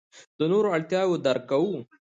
د نورو اړتیاوې درک کوو.